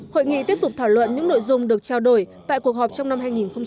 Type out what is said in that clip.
hội nghị tiếp tục thảo luận những nội dung được trao đổi tại cuộc họp trong năm hai nghìn một mươi chín